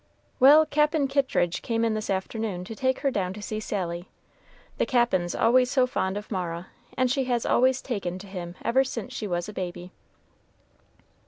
"Well, Cap'n Kittridge came in this afternoon to take her down to see Sally. The Cap'n's always so fond of Mara, and she has always taken to him ever since she was a baby."